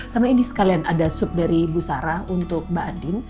sama ini sekalian ada sup dari ibu sarah untuk mbak andin